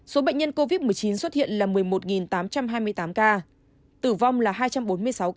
số bệnh nhân covid một mươi chín xuất hiện là một mươi một tám trăm hai mươi tám ca tử vong là hai trăm bốn mươi sáu ca